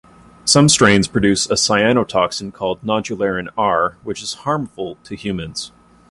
Some strains produce a cyanotoxin called nodularin R, which is harmful to humans.